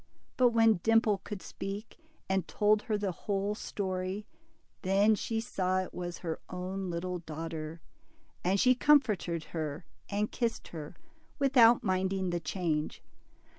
But when Dimple could speak, and told her the whole story, then she saw it was her own little daughter, and she comforted her and kissed her, without minding the change.